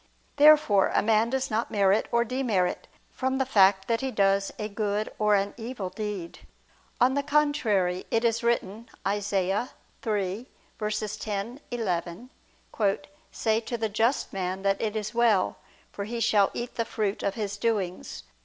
Therefore a man does not merit or demerit, from the fact that he does a good or an evil deed. On the contrary, It is written (Isa. 3:10, 11): "Say to the just man that it is well; for he shall eat the fruit of his doings.